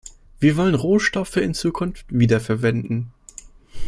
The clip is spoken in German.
Wir wollen Rohstoffe in Zukunft wiederverwenden.